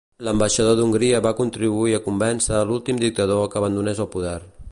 L'ambaixador d'Hongria va contribuir a convèncer l'últim dictador que abandonés el poder.